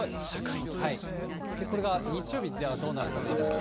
これが日曜日、じゃあどうなるかといいますと。